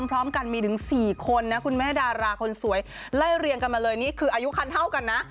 ไล่เรียงกันมาเลยนี่คืออายุคันเท่ากันนะ